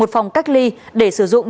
một phòng cách ly để sử dụng